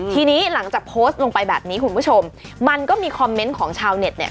ทีนี้หลังจากโพสต์ลงไปแบบนี้คุณผู้ชมมันก็มีคอมเมนต์ของชาวเน็ตเนี่ย